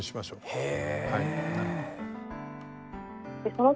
へえ。